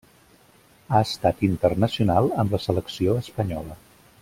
Ha estat internacional amb la selecció espanyola.